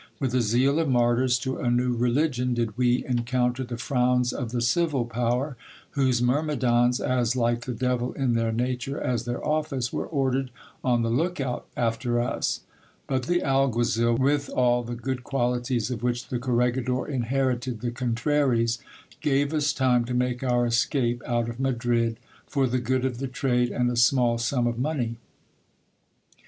With the zeal of martyrs to a new religion, did we encounter the frowns of the civil power, whose myrmidons, as like the devil in their nature as their office, were ordered on the look out after us ; but the alguazil, with all the good qualities of which the corregidor inherited the con traries, gave us time to make our escape out of Madrid, for the good of the trade and a small sum of money.